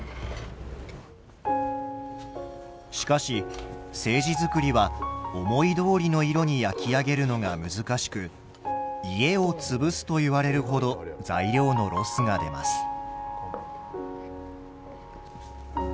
しかし青磁作りは思いどおりの色に焼き上げるのが難しく「家を潰す」といわれるほど材料のロスが出ます。